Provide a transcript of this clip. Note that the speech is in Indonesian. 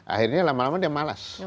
akhirnya lama lama dia malas